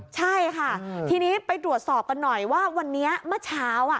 ใช่ค่ะทีนี้ไปตรวจสอบกันหน่อยว่าวันนี้เมื่อเช้า